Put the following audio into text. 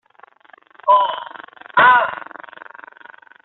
啊呀